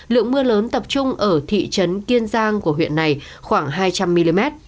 lượng mưa lớn tập trung ở thị trấn kiên giang của huyện này khoảng hai trăm linh mm